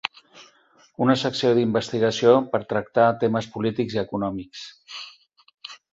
Una secció d'investigació per tractar temes polítics i econòmics.